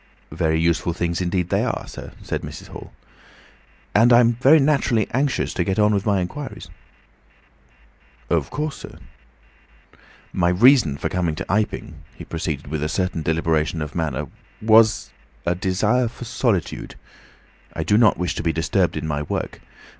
"Very useful things indeed they are, sir," said Mrs. Hall. "And I'm very naturally anxious to get on with my inquiries." "Of course, sir." "My reason for coming to Iping," he proceeded, with a certain deliberation of manner, "was ... a desire for solitude. I do not wish to be disturbed in my work.